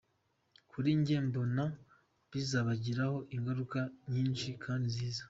Kuri njye, mbona bizabagiraho ingaruka nyinshi kandi nziza.